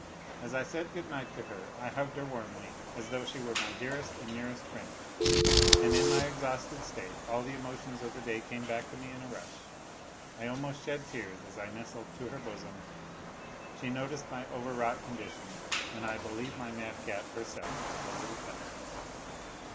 As I said good night to her I hugged her warmly, as though she were my dearest and nearest friend, and in my exhausted state all the emotions of the day came back to me in a rush ; I almost shed tears as I nestled to her bosom. She noticed my overwrought condition, and I believe my madcap herself was a little touched.